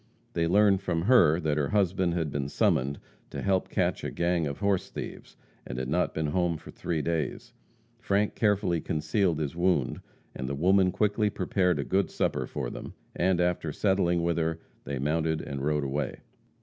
They learned from her that her husband had been summoned to help catch a gang of horse thieves, and had not been home for three days. Frank carefully concealed his wound, and the woman quickly prepared a good supper for them, and, after settling with her, they mounted and rode away.